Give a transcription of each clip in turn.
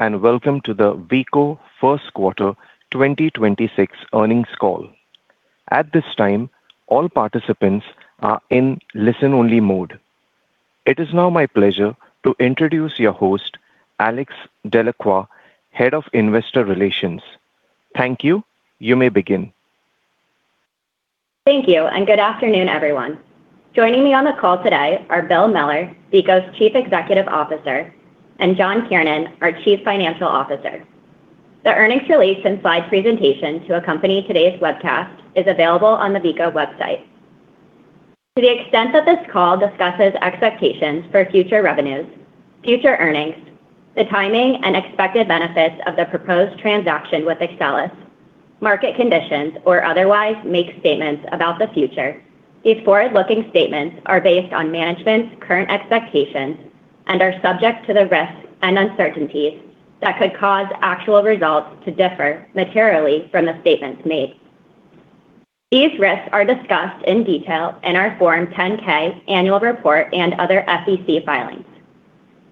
Welcome to the Veeco Q1 2026 earnings call. At this time, all participants are in listen-only mode. It is now my pleasure to introduce your host, Anthony Pappone, Head of Investor Relations. Thank you. You may begin. Thank you, and good afternoon, everyone. Joining me on the call today are Bill Miller, Veeco's Chief Executive Officer, and John Kiernan, our Chief Financial Officer. The earnings release and slide presentation to accompany today's webcast is available on the Veeco website. To the extent that this call discusses expectations for future revenues, future earnings, the timing and expected benefits of the proposed transaction with Axcelis, market conditions, or otherwise makes statements about the future, these forward-looking statements are based on management's current expectations and are subject to the risks and uncertainties that could cause actual results to differ materially from the statements made. These risks are discussed in detail in our Form 10-K annual report and other SEC filings.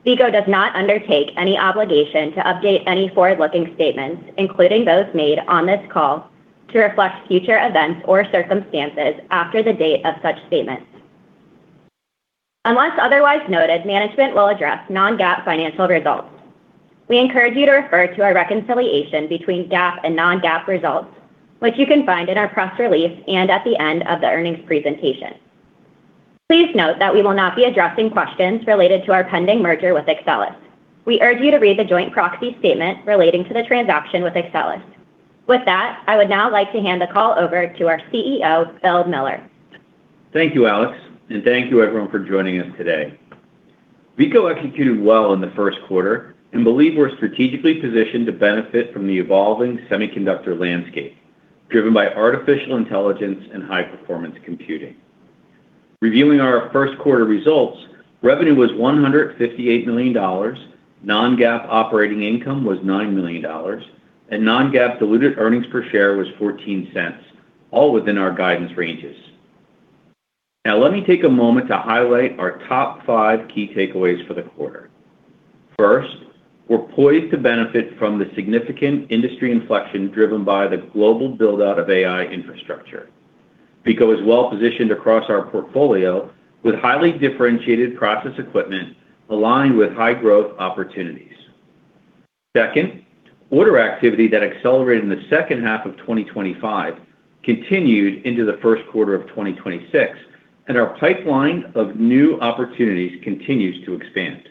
Veeco does not undertake any obligation to update any forward-looking statements, including those made on this call, to reflect future events or circumstances after the date of such statements. Unless otherwise noted, management will address non-GAAP financial results. We encourage you to refer to our reconciliation between GAAP and non-GAAP results, which you can find in our press release and at the end of the earnings presentation. Please note that we will not be addressing questions related to our pending merger with Axcelis. We urge you to read the joint proxy statement relating to the transaction with Axcelis. With that, I would now like to hand the call over to our CEO, William J. Miller. Thank you, Anthony. Thank you everyone for joining us today. Veeco executed well in the first quarter and believe we're strategically positioned to benefit from the evolving semiconductor landscape, driven by artificial intelligence and high-performance computing. Reviewing our Q1 results, revenue was $158 million, non-GAAP operating income was $9 million, and non-GAAP diluted earnings per share was $0.14, all within our guidance ranges. Let me take a moment to highlight our top 5 key takeaways for the quarter. First, we're poised to benefit from the significant industry inflection driven by the global build-out of AI infrastructure. Veeco is well-positioned across our portfolio with highly differentiated process equipment aligned with high-growth opportunities. Second, order activity that accelerated in the H2 of 2025 continued into the Q1 of 2026. Our pipeline of new opportunities continues to expand.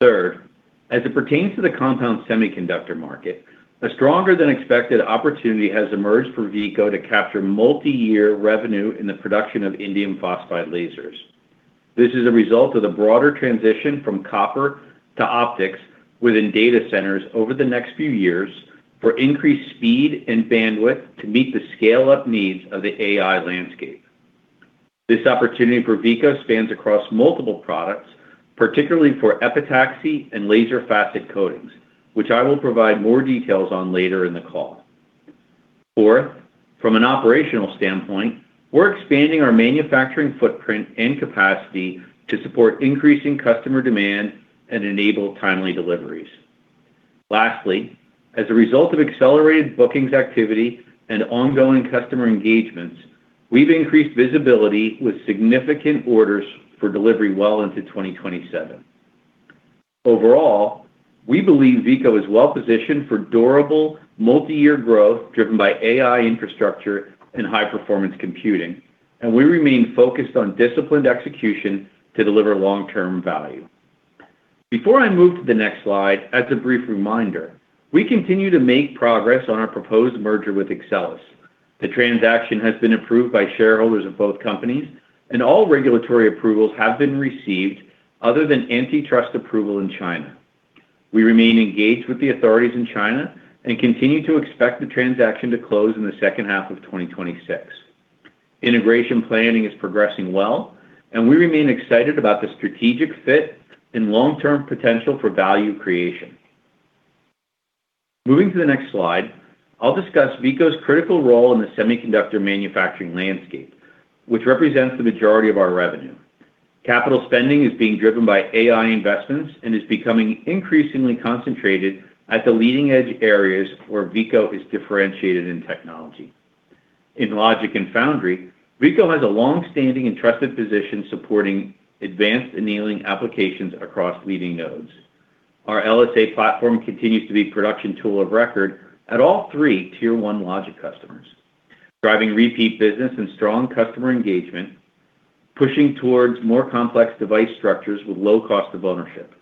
Third, as it pertains to the compound semiconductor market, a stronger than expected opportunity has emerged for Veeco to capture multi-year revenue in the production of indium phosphide lasers. This is a result of the broader transition from copper to optics within data centers over the next few years for increased speed and bandwidth to meet the scale-up needs of the AI landscape. This opportunity for Veeco spans across multiple products, particularly for epitaxy and laser facet coatings, which I will provide more details on later in the call. Fourth, from an operational standpoint, we're expanding our manufacturing footprint and capacity to support increasing customer demand and enable timely deliveries. Lastly, as a result of accelerated bookings activity and ongoing customer engagements, we've increased visibility with significant orders for delivery well into 2027. Overall, we believe Veeco is well positioned for durable multi-year growth driven by AI infrastructure and high-performance computing, and we remain focused on disciplined execution to deliver long-term value. Before I move to the next slide, as a brief reminder, we continue to make progress on our proposed merger with Axcelis. The transaction has been approved by shareholders of both companies, and all regulatory approvals have been received other than antitrust approval in China. We remain engaged with the authorities in China and continue to expect the transaction to close in the H2 of 2026. Integration planning is progressing well, and we remain excited about the strategic fit and long-term potential for value creation. Moving to the next slide, I'll discuss Veeco's critical role in the semiconductor manufacturing landscape, which represents the majority of our revenue. Capital spending is being driven by AI investments and is becoming increasingly concentrated at the leading-edge areas where Veeco is differentiated in technology. In logic and foundry, Veeco has a long-standing and trusted position supporting advanced annealing applications across leading nodes. Our LSA platform continues to be production tool of record at all 3 Tier 1 logic customers, driving repeat business and strong customer engagement, pushing towards more complex device structures with low cost of ownership.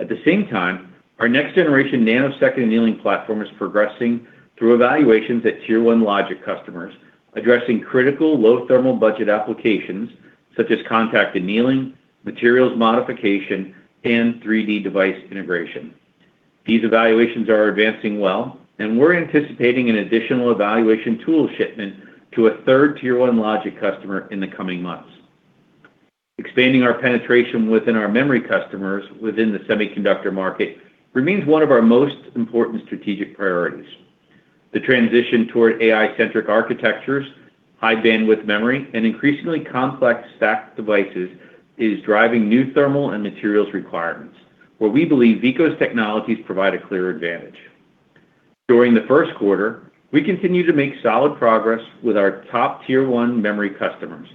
At the same time, our next-generation nanosecond annealing platform is progressing through evaluations at Tier 1 logic customers, addressing critical low thermal budget applications such as contact annealing, materials modification, and 3-D device integration. These evaluations are advancing well, we're anticipating an additional evaluation tool shipment to a 3rd Tier 1 logic customer in the coming months. Expanding our penetration within our memory customers within the semiconductor market remains one of our most important strategic priorities. The transition toward AI-centric architectures, high bandwidth memory, and increasingly complex stacked devices is driving new thermal and materials requirements, where we believe Veeco's technologies provide a clear advantage. During the Q1, we continued to make solid progress with our top tier 1 memory customers.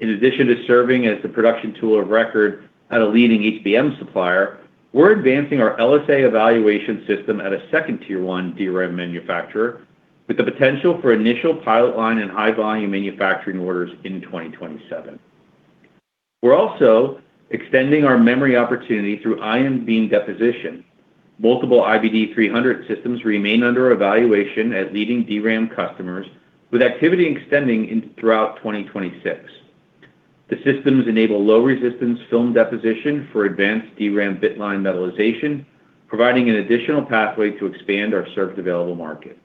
In addition to serving as the production tool of record at a leading HBM supplier, we're advancing our LSA evaluation system at a second tier 1 DRAM manufacturer with the potential for initial pilot line and high-volume manufacturing orders in 2027. We're also extending our memory opportunity through ion beam deposition. Multiple IBD300 systems remain under evaluation as leading DRAM customers, with activity extending throughout 2026. The systems enable low-resistance film deposition for advanced DRAM bitline metallization, providing an additional pathway to expand our served available market.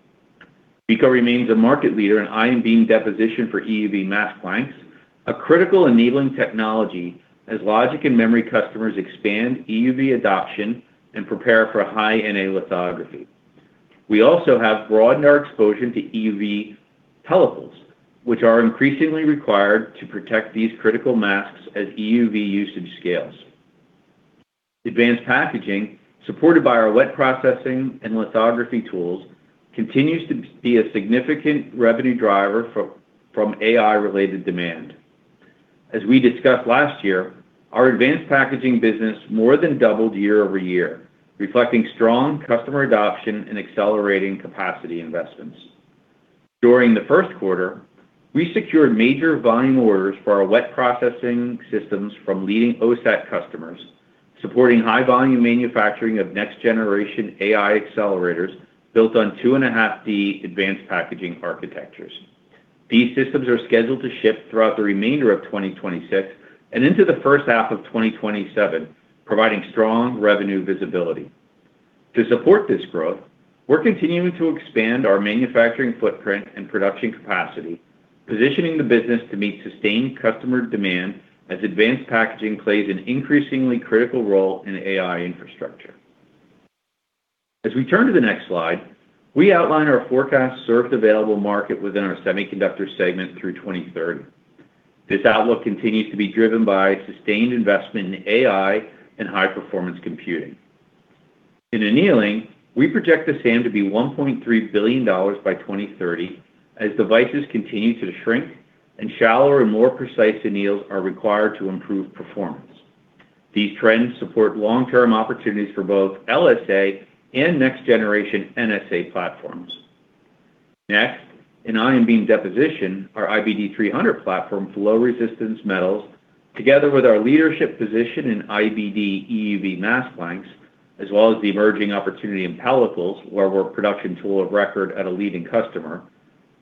Veeco remains a market leader in ion beam deposition for EUV mask blanks, a critical enabling technology as logic and memory customers expand EUV adoption and prepare for High NA lithography. We also have broadened our exposure to EUV pellicles, which are increasingly required to protect these critical masks as EUV usage scales. Advanced packaging, supported by our wet processing and lithography tools, continues to be a significant revenue driver from AI-related demand. As we discussed last year, our advanced packaging business more than doubled year-over-year, reflecting strong customer adoption and accelerating capacity investments. During the Q1, we secured major volume orders for our wet processing systems from leading OSAT customers, supporting high-volume manufacturing of next-generation AI accelerators built on 2.5D advanced packaging architectures. These systems are scheduled to ship throughout the remainder of 2026 and into the H1 of 2027, providing strong revenue visibility. To support this growth, we're continuing to expand our manufacturing footprint and production capacity, positioning the business to meet sustained customer demand as advanced packaging plays an increasingly critical role in AI infrastructure. As we turn to the next slide, we outline our forecast served available market within our semiconductor segment through 2030. This outlook continues to be driven by sustained investment in AI and high-performance computing. In annealing, we project the SAM to be $1.3 billion by 2030 as devices continue to shrink and shallower and more precise anneals are required to improve performance. These trends support long-term opportunities for both LSA and next-generation NSA platforms. In ion beam deposition, our IBD300 platform for low-resistance metals, together with our leadership position in IBD EUV mask blanks, as well as the emerging opportunity in pellicles, where we're production tool of record at a leading customer,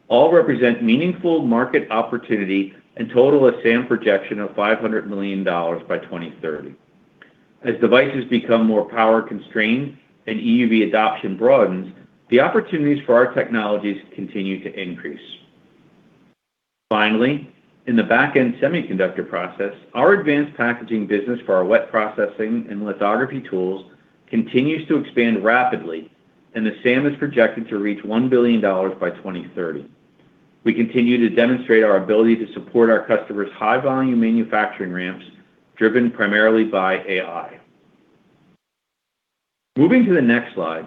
all represent meaningful market opportunity and total SAM projection of $500 million by 2030. As devices become more power-constrained and EUV adoption broadens, the opportunities for our technologies continue to increase. Finally, in the back-end semiconductor process, our advanced packaging business for our wet processing and lithography tools continues to expand rapidly, and the SAM is projected to reach $1 billion by 2030. We continue to demonstrate our ability to support our customers' high-volume manufacturing ramps, driven primarily by AI. Moving to the next slide,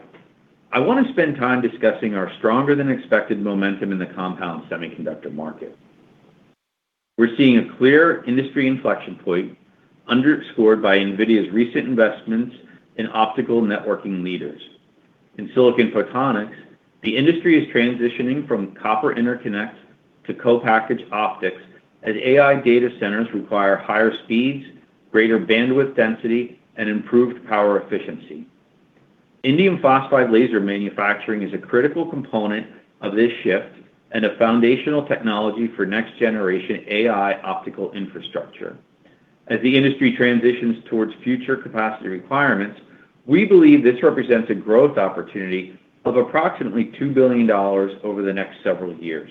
I want to spend time discussing our stronger-than-expected momentum in the compound semiconductor market. We're seeing a clear industry inflection point underscored by NVIDIA's recent investments in optical networking leaders. In silicon photonics, the industry is transitioning from copper interconnect to co-packaged optics as AI data centers require higher speeds, greater bandwidth density, and improved power efficiency. Indium phosphide laser manufacturing is a critical component of this shift and a foundational technology for next-generation AI optical infrastructure. As the industry transitions towards future capacity requirements, we believe this represents a growth opportunity of approximately $2 billion over the next several years.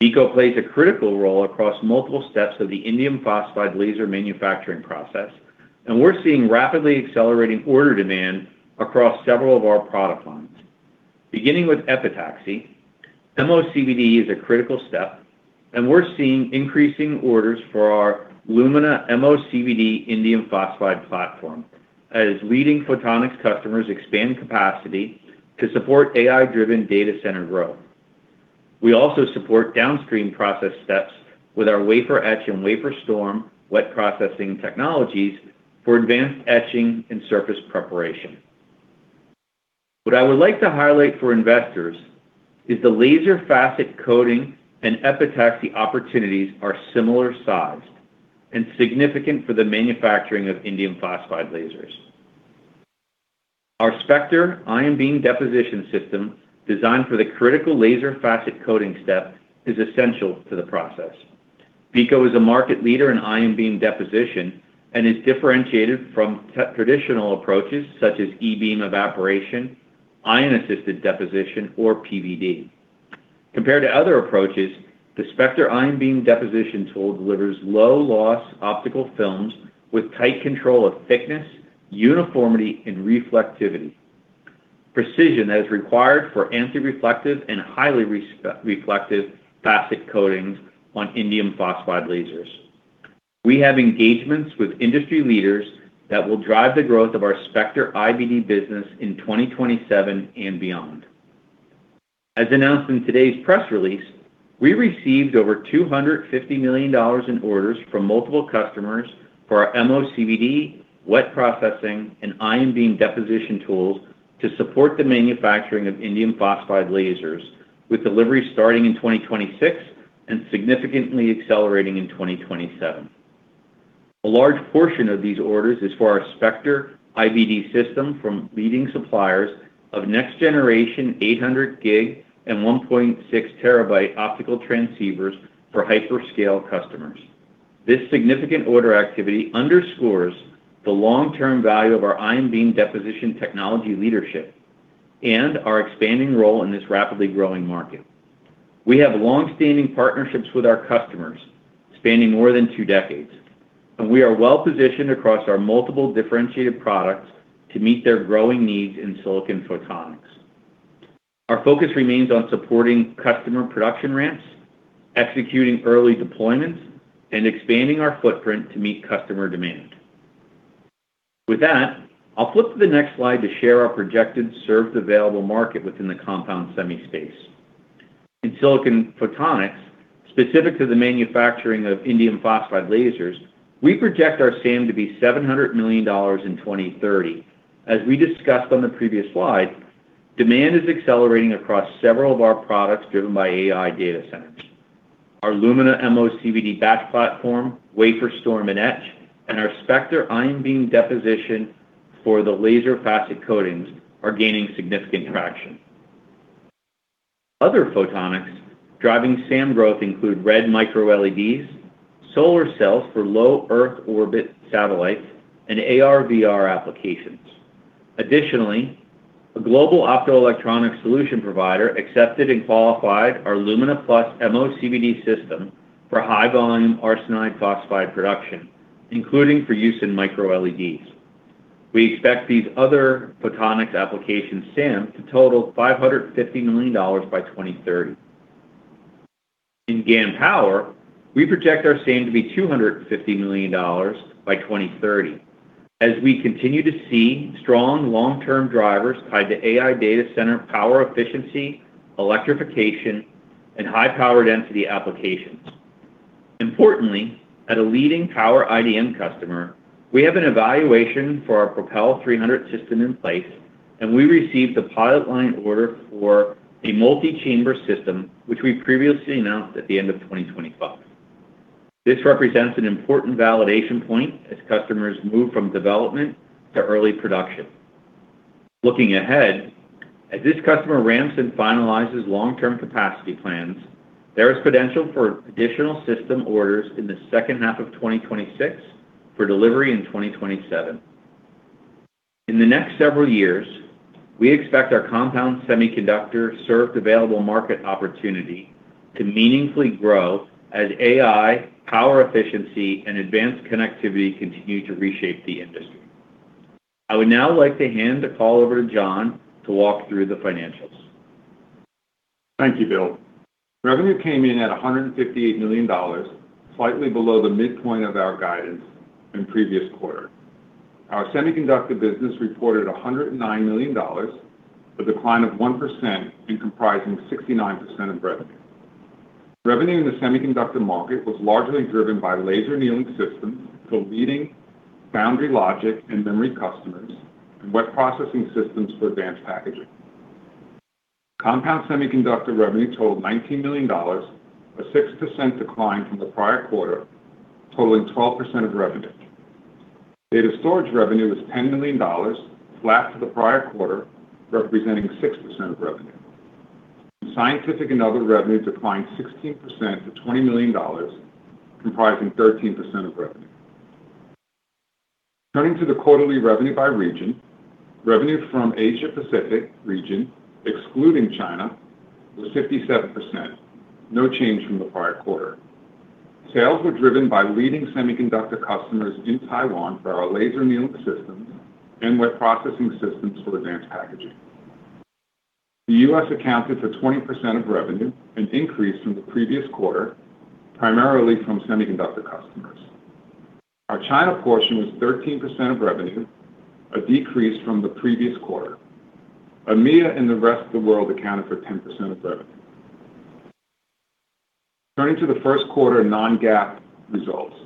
Veeco plays a critical role across multiple steps of the indium phosphide laser manufacturing process, and we're seeing rapidly accelerating order demand across several of our product lines. Beginning with epitaxy, MOCVD is a critical step, and we're seeing increasing orders for our Lumina MOCVD indium phosphide platform as leading photonics customers expand capacity to support AI-driven data center growth. We also support downstream process steps with our wafer etch and WaferStorm wet processing technologies for advanced etching and surface preparation. What I would like to highlight for investors is the laser facet coating and epitaxy opportunities are similar sized and significant for the manufacturing of indium phosphide lasers. Our Spector ion beam deposition system, designed for the critical laser facet coating step, is essential to the process. Veeco is a market leader in ion beam deposition and is differentiated from traditional approaches such as E-beam evaporation, ion-assisted deposition, or PVD. Compared to other approaches, the Spector ion beam deposition tool delivers low loss optical films with tight control of thickness, uniformity, and reflectivity. Precision that is required for anti-reflective and highly reflective plastic coatings on indium phosphide lasers. We have engagements with industry leaders that will drive the growth of our Spector IBD business in 2027 and beyond. As announced in today's press release, we received over $250 million in orders from multiple customers for our MOCVD, wet processing, and ion beam deposition tools to support the manufacturing of indium phosphide lasers with delivery starting in 2026 and significantly accelerating in 2027. A large portion of these orders is for our Spector IBD system from leading suppliers of next generation 800 gig and 1.6 terabyte optical transceivers for hyperscale customers. This significant order activity underscores the long-term value of our ion beam deposition technology leadership and our expanding role in this rapidly growing market. We have long-standing partnerships with our customers spanning more than 2 decades, and we are well-positioned across our multiple differentiated products to meet their growing needs in silicon photonics. Our focus remains on supporting customer production ramps, executing early deployments, and expanding our footprint to meet customer demand. With that, I'll flip to the next slide to share our projected served available market within the compound semi space. In silicon photonics, specific to the manufacturing of indium phosphide lasers, we project our SAM to be $700 million in 2030. As we discussed on the previous slide, demand is accelerating across several of our products driven by AI data centers. Our Lumina MOCVD batch platform, WaferStorm and etch, and our Spector ion beam deposition for the laser facet coatings are gaining significant traction. Other photonics driving SAM growth include red MicroLEDs, solar cells for low earth orbit satellites, and AR/VR applications. Additionally, a global optoelectronic solution provider accepted and qualified our Lumina+ MOCVD system for high volume indium phosphide production, including for use in MicroLEDs. We expect these other photonics application SAM to total $550 million by 2030. In GaN power, we project our SAM to be $250 million by 2030 as we continue to see strong long-term drivers tied to AI data center power efficiency, electrification, and high power density applications. Importantly, at a leading power IDM customer, we have an evaluation for our Propel 300mm system in place, and we received a pilot line order for a multi-chamber system, which we previously announced at the end of 2025. This represents an important validation point as customers move from development to early production. Looking ahead, as this customer ramps and finalizes long-term capacity plans, there is potential for additional system orders in the H2 of 2026 for delivery in 2027. In the next several years, we expect our compound semiconductor served available market opportunity to meaningfully grow as AI, power efficiency, and advanced connectivity continue to reshape the industry. I would now like to hand the call over to John to walk through the financials. Thank you, Bill. Revenue came in at $158 million, slightly below the midpoint of our guidance in previous quarter. Our semiconductor business reported $109 million, a decline of 1% and comprising 69% of revenue. Revenue in the semiconductor market was largely driven by laser annealing systems to leading foundry, logic, and memory customers and wet processing systems for advanced packaging. Compound semiconductor revenue totaled $19 million, a 6% decline from the prior quarter, totaling 12% of revenue. Data storage revenue was $10 million, flat to the prior quarter, representing 6% of revenue. Scientific and other revenue declined 16% to $20 million, comprising 13% of revenue. Turning to the quarterly revenue by region. Revenue from Asia Pacific region, excluding China, was 57%. No change from the prior quarter. Sales were driven by leading semiconductor customers in Taiwan for our laser annealing systems and wet processing systems for advanced packaging. The U.S. accounted for 20% of revenue, an increase from the previous quarter, primarily from semiconductor customers. Our China portion was 13% of revenue, a decrease from the previous quarter. EMEIA and the rest of the world accounted for 10% of revenue. Turning to the Q1 non-GAAP results.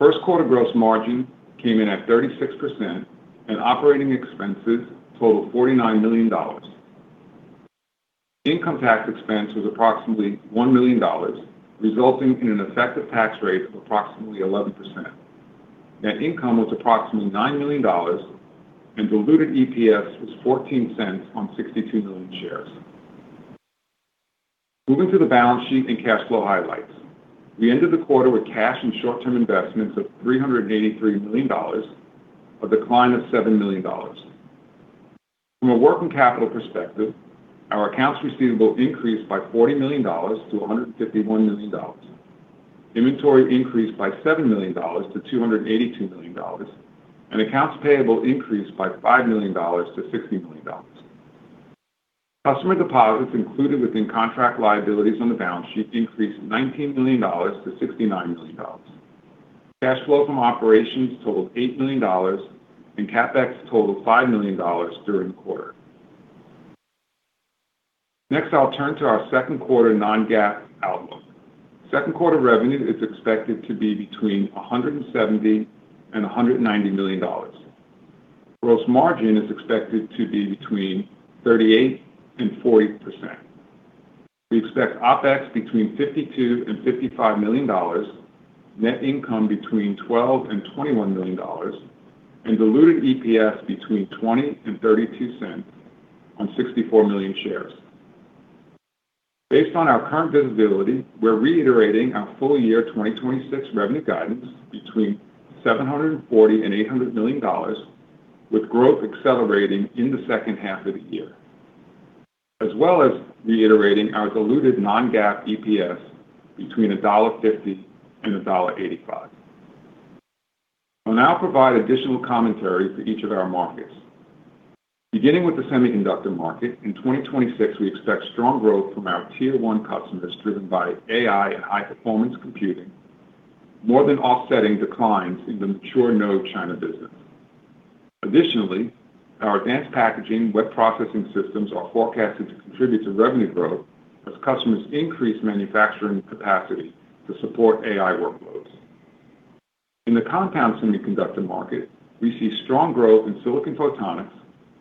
Q1 gross margin came in at 36% and operating expenses totaled $49 million. Income tax expense was approximately $1 million, resulting in an effective tax rate of approximately 11%. Net income was approximately $9 million and diluted EPS was $0.14 on 62 million shares. Moving to the balance sheet and cash flow highlights. We ended the quarter with cash and short-term investments of $383 million, a decline of $7 million. From a working capital perspective, our accounts receivable increased by $40 million to $151 million. Inventory increased by $7 million to $282 million, and accounts payable increased by $5 million to $60 million. Customer deposits included within contract liabilities on the balance sheet increased $19 million to $69 million. Cash flow from operations totaled $8 million, and CapEx totaled $5 million during the quarter. Next, I'll turn to our Q2 non-GAAP outlook. Q2 revenue is expected to be between $170 million and $190 million. Gross margin is expected to be between 38% and 40%. We expect OpEx between $52 million to $55 million, net income between $12 million to $21 million, and diluted EPS between $0.20 to $0.32 on 64 million shares. Based on our current visibility, we're reiterating our full year 2026 revenue guidance between $740 million to $800 million, with growth accelerating in the H2 of the year, as well as reiterating our diluted non-GAAP EPS between $1.50-$1.85. I'll now provide additional commentary for each of our markets. Beginning with the semiconductor market, in 2026 we expect strong growth from our tier 1 customers driven by AI and high-performance computing, more than offsetting declines in the mature node China business. Additionally, our advanced packaging wet processing systems are forecasted to contribute to revenue growth as customers increase manufacturing capacity to support AI workloads. In the compound semiconductor market, we see strong growth in silicon photonics,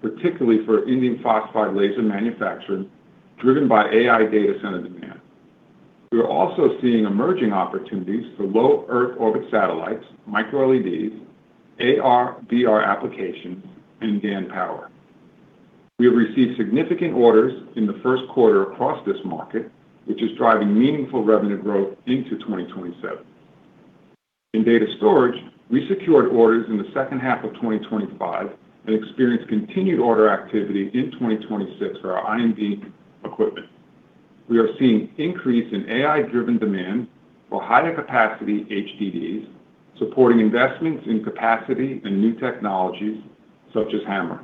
particularly for indium phosphide laser manufacturing, driven by AI data center demand. We are also seeing emerging opportunities for low Earth orbit satellites, MicroLEDs, AR/VR applications, and GaN power. We have received significant orders in the Q1 across this market, which is driving meaningful revenue growth into 2027. In data storage, we secured orders in the H2 of 2025 and experienced continued order activity in 2026 for our IBD equipment. We are seeing increase in AI-driven demand for higher capacity HDDs, supporting investments in capacity and new technologies such as HAMR.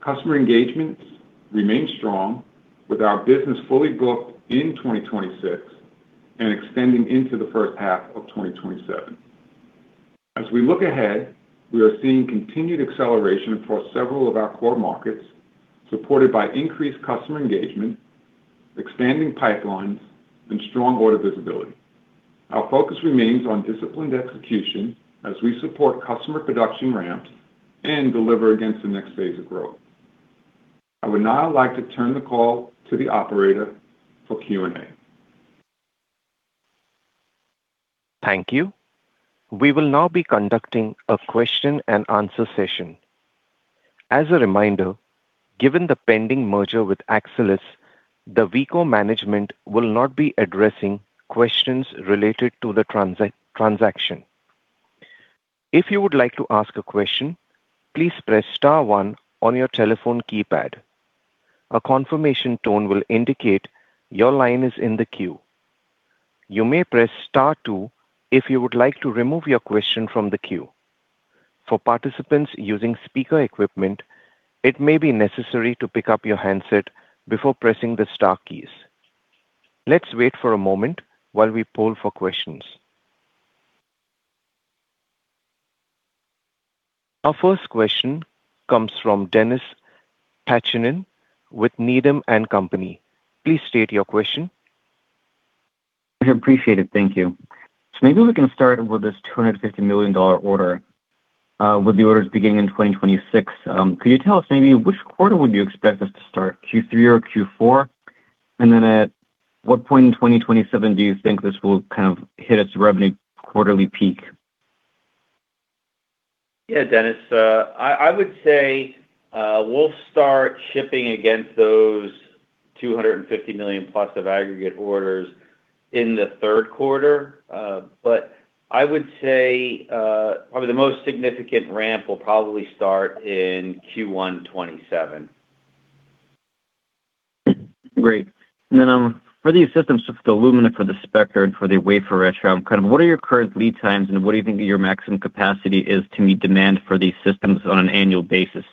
Customer engagements remain strong with our business fully booked in 2026 and extending into the H1 of 2027. As we look ahead, we are seeing continued acceleration across several of our core markets, supported by increased customer engagement, expanding pipelines, and strong order visibility. Our focus remains on disciplined execution as we support customer production ramps and deliver against the next phase of growth. I would now like to turn the call to the operator for Q&A. Thank you. We will now be conducting a question-and-answer session. As a reminder, given the pending merger with Axcelis, the Veeco management will not be addressing questions related to the transaction. If you would like to ask a question, please press star one on your telephone keypad. A confirmation tone will indicate your line is in the queue. You may press star two if you would like to remove your question from the queue. For participants using speaker equipment, it may be necessary to pick up your handset before pressing the star keys. Let's wait for a moment while we poll for questions. Our first question comes from Denis Pyatchanin with Needham & Company. Please state your question. I appreciate it. Thank you. Maybe we can start with this $250 million order, with the orders beginning in 2026. Could you tell us maybe which quarter would you expect this to start, Q3 or Q4? At what point in 2027 do you think this will kind of hit its revenue quarterly peak? Yeah, Denis, I would say, we'll start shipping against those $250 million plus of aggregate orders in the third quarter. I would say, probably the most significant ramp will probably start in Q1 2027. Great. For these systems with the Lumina, for the Spector, and for the wafer etcher, kind of what are your current lead times, and what do you think your maximum capacity is to meet demand for these systems on an annual basis?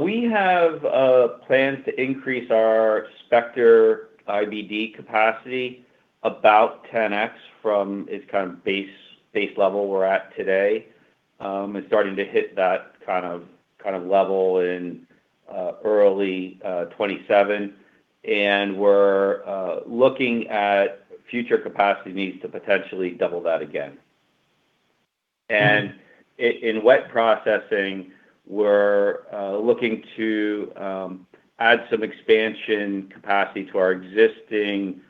We have plans to increase our Spector IBD capacity about 10X from its kind of base level we're at today. It's starting to hit that kind of level in early 2027. We're looking at future capacity needs to potentially double that again. In wet processing, we're looking to add some expansion capacity to our existing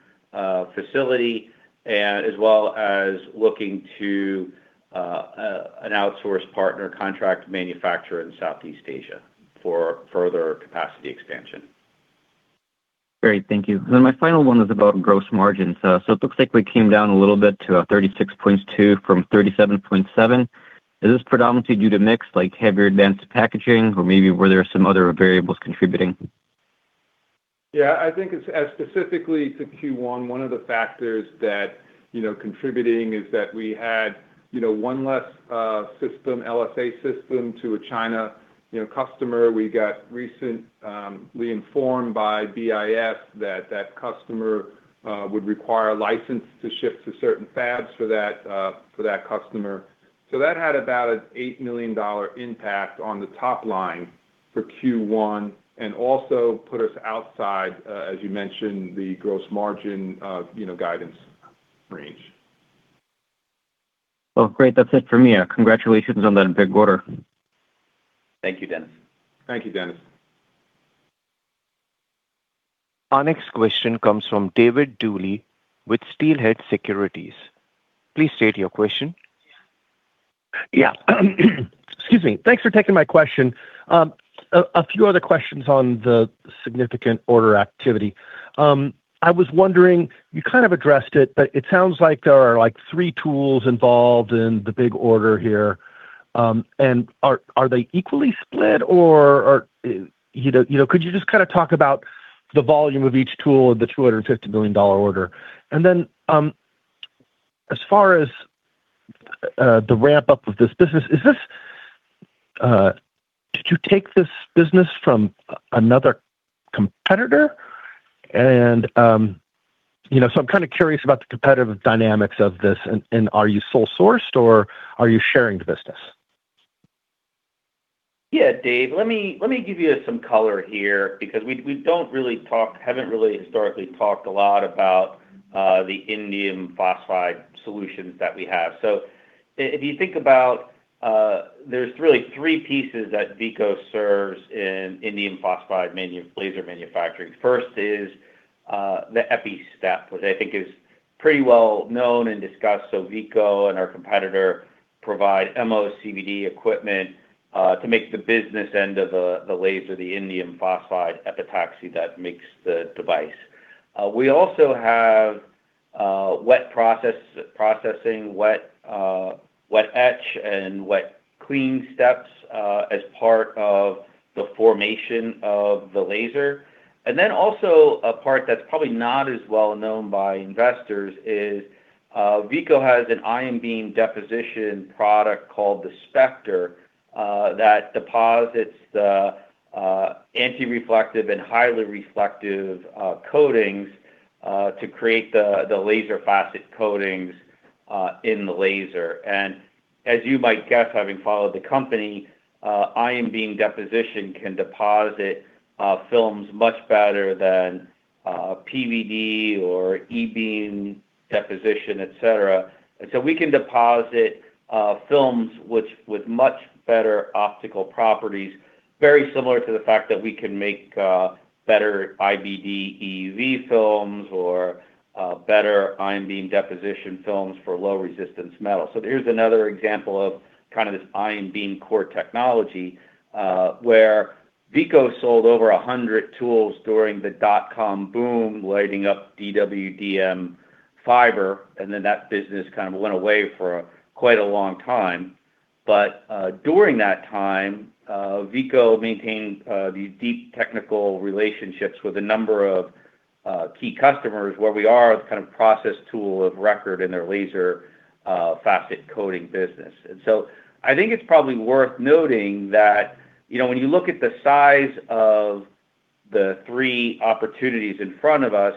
facility as well as looking to an outsourced partner contract manufacturer in Southeast Asia. For further capacity expansion. Great. Thank you. My final one is about gross margins. It looks like we came down a little bit to 36.2% from 37.7%. Is this predominantly due to mix, like heavier advanced packaging, or maybe were there some other variables contributing? I think it's specifically to Q1, one of the factors that, you know, contributing is that we had, you know, 1 less system, LSA system to a China, you know, customer. We got recently informed by BIS that that customer would require a license to ship to certain fabs for that customer. That had about an $8 million impact on the top line for Q1, and also put us outside, as you mentioned, the gross margin, you know, guidance range. Well, great. That's it for me. Congratulations on that big order. Thank you, Denis. Thank you, Denis. Our next question comes from David Duley with Steelhead Securities. Please state your question. Yeah. Excuse me. Thanks for taking my question. A few other questions on the significant order activity. I was wondering, you kind of addressed it, but it sounds like there are, like, three tools involved in the big order here. Are they equally split or are could you just kind of talk about the volume of each tool in the $250 million order? As far as the ramp-up of this business, did you take this business from another competitor? You know, I'm kind of curious about the competitive dynamics of this. Are you sole sourced, or are you sharing the business? Yeah. David, let me give you some color here because we don't really talk, haven't really historically talked a lot about the indium phosphide solutions that we have. If you think about, there's really 3 pieces that Veeco serves in indium phosphide laser manufacturing. First is the epi step, which I think is pretty well known and discussed. Veeco and our competitor provide MOCVD equipment to make the business end of the laser, the indium phosphide epitaxy that makes the device. We also have wet processing, wet etch, and wet clean steps as part of the formation of the laser. A part that's probably not as well known by investors is, Veeco has an ion beam deposition product called the Spector, that deposits the anti-reflective and highly reflective coatings, to create the laser facet coatings in the laser. As you might guess, having followed the company, ion beam deposition can deposit films much better than PVD or E-beam deposition, et cetera. We can deposit films which, with much better optical properties, very similar to the fact that we can make better IBD EUV films or better ion beam deposition films for low resistance metal. Here's another example of kind of this ion beam core technology, where Veeco sold over 100 tools during the dot-com boom lighting up DWDM fiber, then that business kind of went away for quite a long time. During that time, Veeco maintained these deep technical relationships with a number of key customers where we are the kind of process tool of record in their laser facet coating business. I think it's probably worth noting that, you know, when you look at the size of the 3 opportunities in front of us,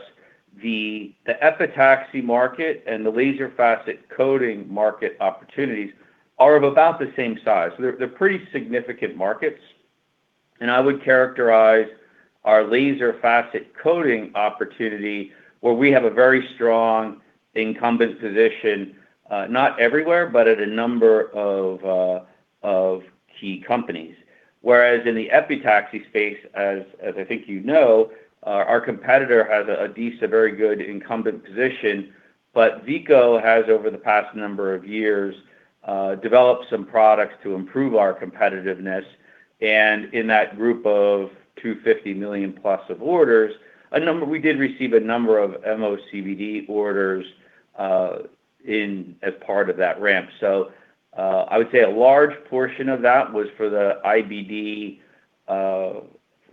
the epitaxy market and the laser facet coating market opportunities are of about the same size. They're pretty significant markets. I would characterize our laser facet coating opportunity where we have a very strong incumbent position, not everywhere, but at a number of key companies. Whereas in the epitaxy space, as I think you know, our competitor has a decent, very good incumbent position, but Veeco has, over the past number of years, developed some products to improve our competitiveness. In that group of $250 million plus of orders, we did receive a number of MOCVD orders in, as part of that ramp. I would say a large portion of that was for the IBD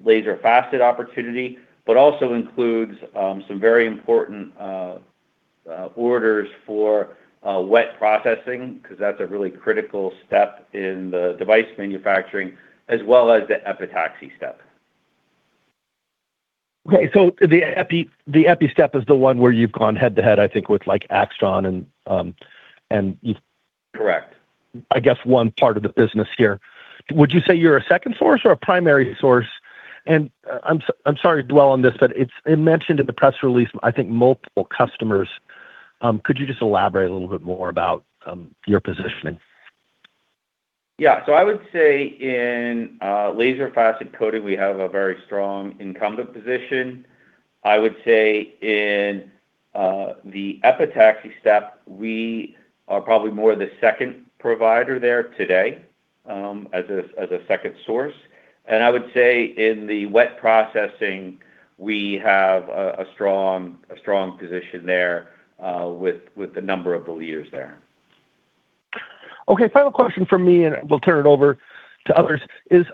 laser facet opportunity, but also includes some very important orders for wet processing, 'cause that's a really critical step in the device manufacturing, as well as the epitaxy step. The epi step is the one where you've gone head-to-head, I think, with, like, AIXTRON. Correct. I guess one part of the business here. Would you say you're a second source or a primary source? I'm sorry to dwell on this, but it mentioned in the press release, I think multiple customers. Could you just elaborate a little bit more about your positioning? I would say in laser facet coating, we have a very strong incumbent position. I would say in the epitaxy step, we are probably more the second provider there today as a second source. I would say in the wet processing, we have a strong position there with a number of the leaders there. Okay. Final question from me, and we'll turn it over to others, is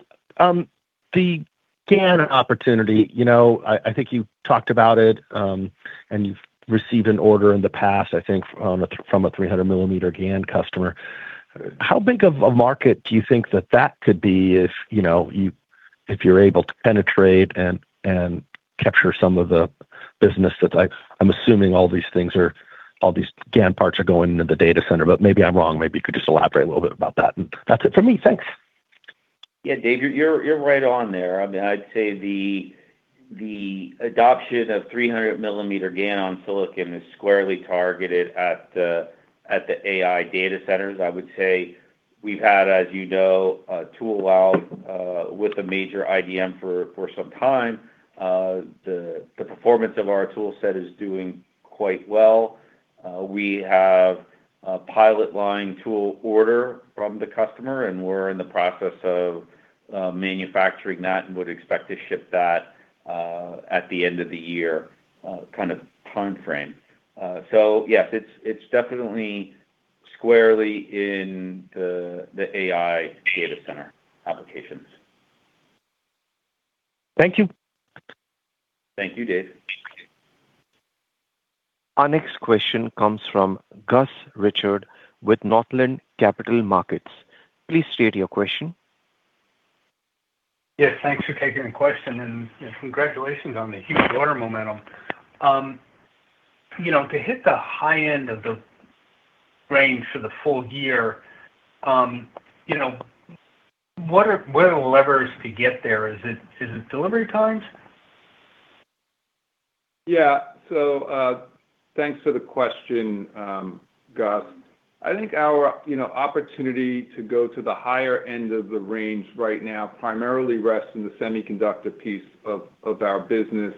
the GaN opportunity. You know, I think you talked about it, and you've received an order in the past, I think, from a 300 millimeter GaN customer. How big of a market do you think that could be if, you know, if you're able to penetrate and capture some of the business that I'm assuming all these things are, all these GaN parts are going into the data center, but maybe I'm wrong. Maybe you could just elaborate a little bit about that, and that's it for me. Thanks. Yeah, David, you're right on there. I mean, I'd say the adoption of 300 millimeter GaN on silicon is squarely targeted at the AI data centers. I would say we've had, as you know, a tool out with a major IDM for some time. The performance of our tool set is doing quite well. We have a pilot line tool order from the customer, and we're in the process of manufacturing that and would expect to ship that at the end of the year kind of timeframe. Yes, it's definitely squarely in the AI data center applications. Thank you. Thank you, David. Our next question comes from Gus Richard with Northland Capital Markets. Please state your question. Yes, thanks for taking the question. Congratulations on the huge order momentum. You know, to hit the high end of the range for the full year, you know, what are the levers to get there? Is it delivery times? Yeah. Thanks for the question, Gus. I think our, you know, opportunity to go to the higher end of the range right now primarily rests in the semiconductor piece of our business.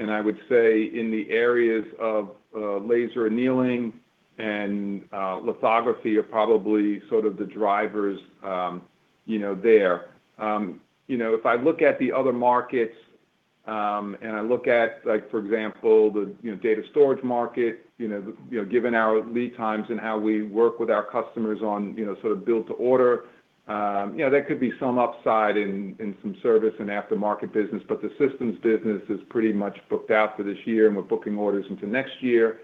I would say in the areas of laser annealing and lithography are probably sort of the drivers, you know, there. You know, if I look at the other markets, and I look at, like, for example, the, you know, data storage market, you know, you know, given our lead times and how we work with our customers on, you know, sort of build to order, you know, there could be some upside in some service and aftermarket business. The systems business is pretty much booked out for this year, and we're booking orders into next year.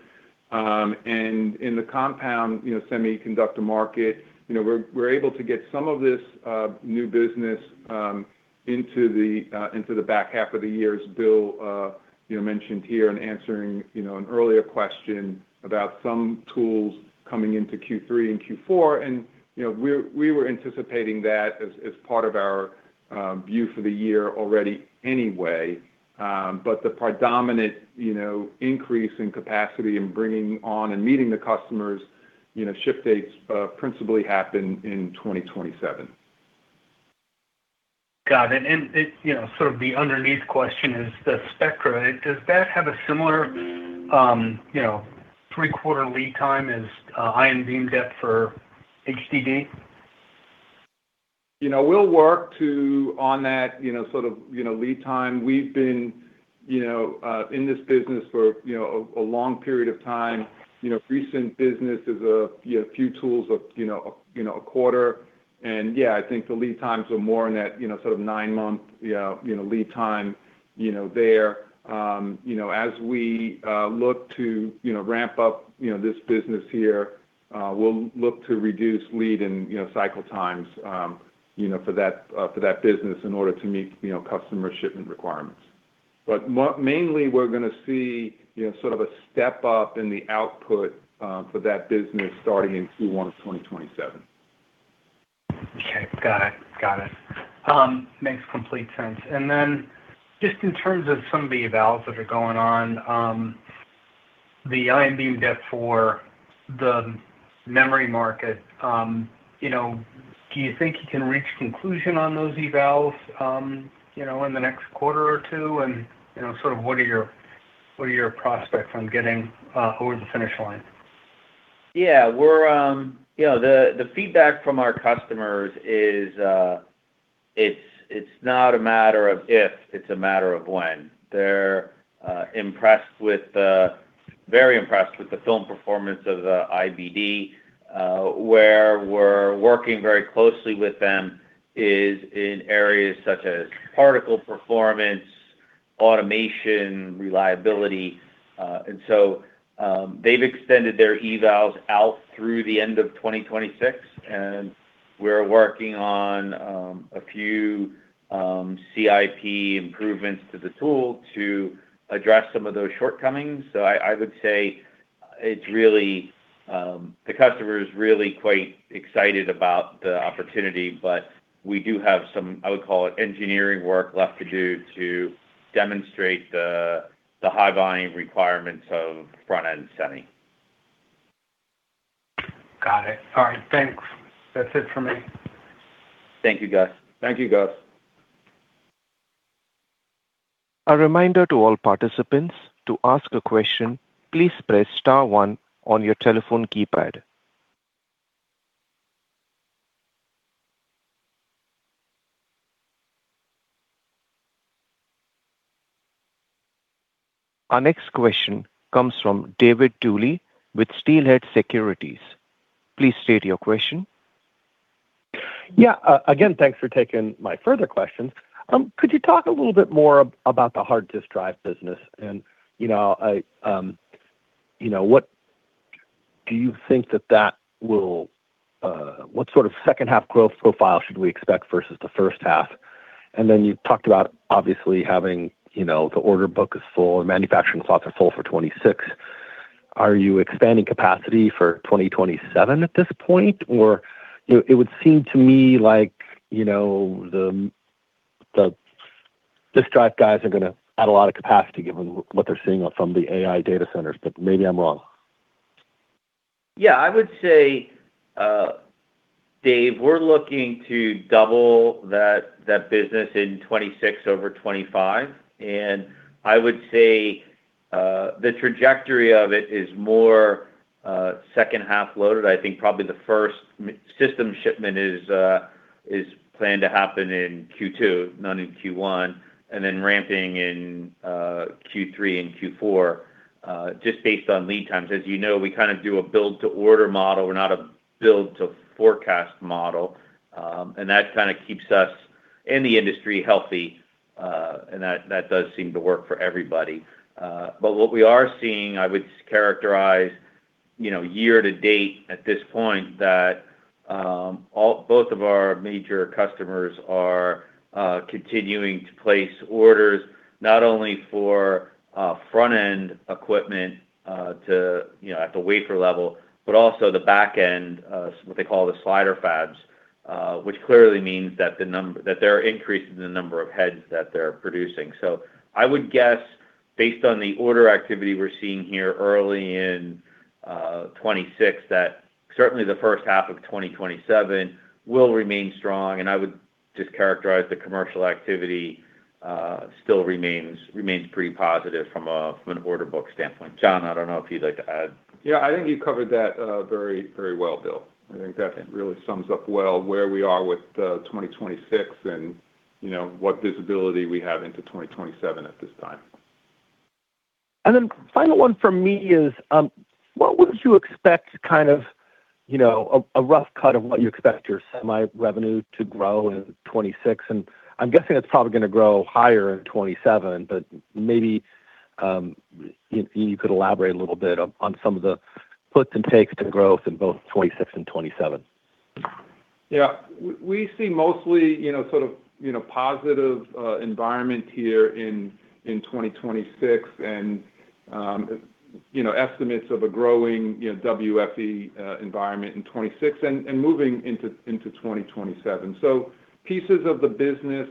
In the compound, you know, semiconductor market, you know, we're able to get some of this new business into the back half of the year, as Bill, you know, mentioned here in answering, you know, an earlier question about some tools coming into Q3 and Q4. We're, we were anticipating that as part of our view for the year already anyway. The predominant, you know, increase in capacity and bringing on and meeting the customers', you know, ship dates, principally happen in 2027. Got it. You know, sort of the underneath question is the Spector. Does that have a similar, you know, three-quarter lead time as ion beam deposition for HDD? You know, we'll work on that, you know, sort of, you know, lead time. We've been, you know, in this business for, you know, a long period of time. You know, recent business is a, you know, few tools of, you know, a quarter. I think the lead times are more in that, you know, sort of 9-month, you know, lead time, you know, there. You know, as we look to, you know, ramp up, you know, this business here, we'll look to reduce lead and, you know, cycle times, you know, for that, for that business in order to meet, you know, customer shipment requirements. Mainly, we're gonna see, you know, sort of a step up in the output for that business starting in Q1 of 2027. Okay. Got it. Got it. Makes complete sense. Just in terms of some of the evals that are going on, the ion beam deposition for the memory market, you know, do you think you can reach conclusion on those evals, you know, in the next quarter or two? You know, sort of what are your prospects on getting over the finish line? We're, you know, the feedback from our customers is, it's not a matter of if, it's a matter of when. They're very impressed with the film performance of the IBD. Where we're working very closely with them is in areas such as particle performance, automation, reliability. They've extended their evals out through the end of 2026, and we're working on a few CIP improvements to the tool to address some of those shortcomings. I would say it's really, the customer is really quite excited about the opportunity, but we do have some, I would call it, engineering work left to do to demonstrate the high volume requirements of front-end semi. Thanks. That's it for me. Thank you, guys. Thank you, guys. A reminder to all participants, to ask a question, please press star 1 on your telephone keypad. Our next question comes from David Duley with Steelhead Securities. Please state your question. Yeah. Again, thanks for taking my further questions. Could you talk a little bit more about the hard disk drive business? You know, I, you know, what do you think that that will, what sort of H2 growth profile should we expect versus the first half? You talked about obviously having, you know, the order book is full, the manufacturing plots are full for 2026. Are you expanding capacity for 2027 at this point? You know, it would seem to me like, you know, the disk drive guys are gonna add a lot of capacity given what they're seeing from the AI data centers, but maybe I'm wrong. Yeah. I would say, David, we're looking to double that business in 2026 over 2025. I would say, the trajectory of it is more H2 loaded. I think probably the first system shipment is planned to happen in Q2, not in Q1, and then ramping in Q3 and Q4, just based on lead times. As you know, we kind of do a build to order model. We're not a build to forecast model, and that kinda keeps us in the industry healthy, and that does seem to work for everybody. What we are seeing, I would characterize, you know, year to date at this point that both of our major customers are continuing to place orders not only for front-end equipment to, you know, at the wafer level, but also the back end, what they call the slider fabs, which clearly means that they're increasing the number of heads that they're producing. I would guess based on the order activity we're seeing here early in 2026, that certainly the H1 of 2027 will remain strong. I would just characterize the commercial activity still remains pretty positive from an order book standpoint. John, I don't know if you'd like to add. Yeah. I think you covered that very, very well, William. I think that really sums up well where we are with 2026 and, you know, what visibility we have into 2027 at this time. Final one for me is, what would you expect kind of, you know, a rough cut of what you expect your semi-revenue to grow in 26? I'm guessing it's probably gonna grow higher in 27, but maybe, you could elaborate a little bit on some of the puts and takes to growth in both 26 and 27. Yeah. We see mostly, you know, sort of, you know, positive environment here in 2026 and, you know, estimates of a growing, you know, WFE environment in 26 and moving into 2027. Pieces of the business,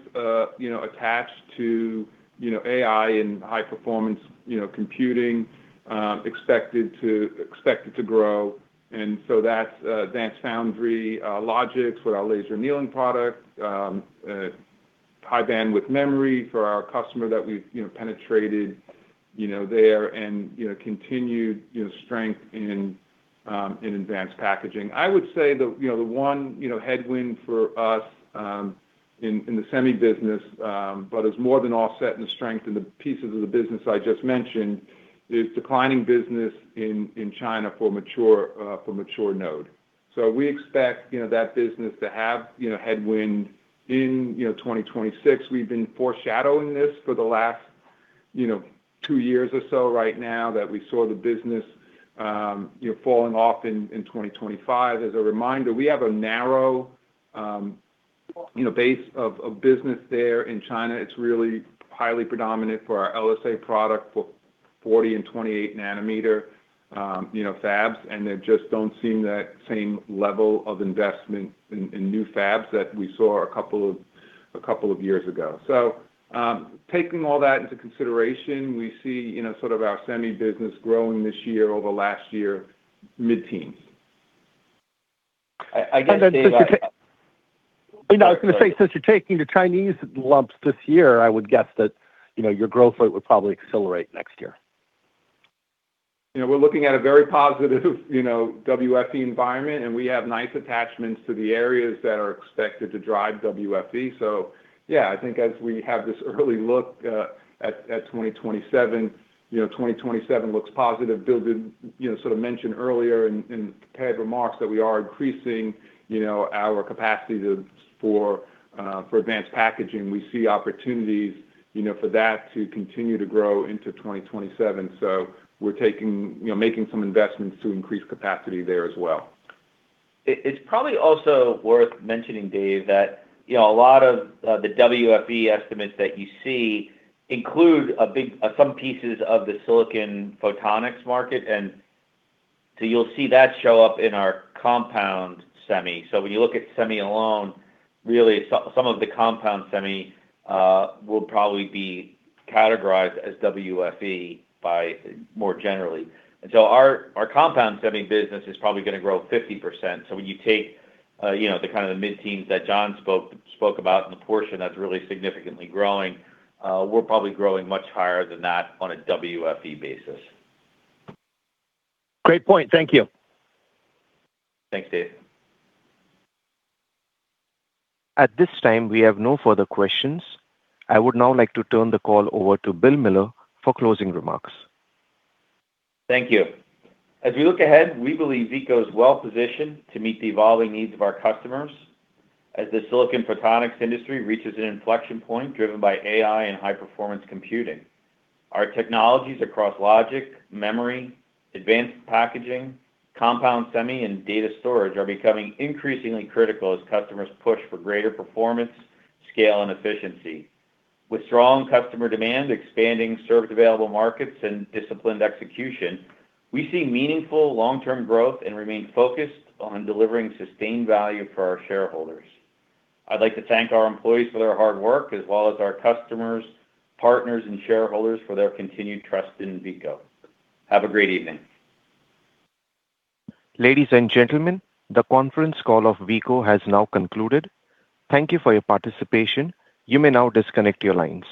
you know, attached to, you know, AI and high performance, you know, computing, expected to grow. That's advanced foundry, logic with our laser annealing product, high bandwidth memory for our customer that we've, you know, penetrated, you know, there and, you know, continued, you know, strength in advanced packaging. I would say the, you know, the one, you know, headwind for us in the semi business, but it's more than offset in strength in the pieces of the business I just mentioned, is declining business in China for mature, for mature node. We expect, you know, that business to have, you know, headwind in, you know, 2026. We've been foreshadowing this for the last, you know, 2 years or so right now that we saw the business, you know, falling off in 2025. As a reminder, we have a narrow, you know, base of business there in China. It's really highly predominant for our LSA product for 40 and 28 nanometer, you know, fabs. They just don't seem that same level of investment in new fabs that we saw a couple of years ago. Taking all that into consideration, we see, you know, sort of our semi business growing this year over last year, mid-teens. I guess, David. You know, I was gonna say, since you're taking the Chinese lumps this year, I would guess that, you know, your growth rate would probably accelerate next year. You know, we're looking at a very positive, you know, WFE environment, and we have nice attachments to the areas that are expected to drive WFE. Yeah, I think as we have this early look at 2027, you know, 2027 looks positive. William did, you know, sort of mention earlier in prepared remarks that we are increasing, you know, our capacity for advanced packaging. We see opportunities, you know, for that to continue to grow into 2027. We're taking, you know, making some investments to increase capacity there as well. It's probably also worth mentioning, David, that, you know, a lot of the WFE estimates that you see include a big some pieces of the silicon photonics market. You'll see that show up in our compound semi. When you look at semi alone, really some of the compound semi will probably be categorized as WFE by more generally. Our compound semi business is probably gonna grow 50%. When you take, you know, the kind of the mid-teens that John spoke about and the portion that's really significantly growing, we're probably growing much higher than that on a WFE basis. Great point. Thank you. Thanks, David. At this time, we have no further questions. I would now like to turn the call over to William Miller for closing remarks. Thank you. As we look ahead, we believe Veeco is well-positioned to meet the evolving needs of our customers as the silicon photonics industry reaches an inflection point driven by AI and high-performance computing. Our technologies across logic, memory, advanced packaging, compound semi, and data storage are becoming increasingly critical as customers push for greater performance, scale, and efficiency. With strong customer demand, expanding served available markets, and disciplined execution, we see meaningful long-term growth and remain focused on delivering sustained value for our shareholders. I'd like to thank our employees for their hard work as well as our customers, partners, and shareholders for their continued trust in Veeco. Have a great evening. Ladies and gentlemen, the conference call of Veeco has now concluded. Thank you for your participation. You may now disconnect your lines.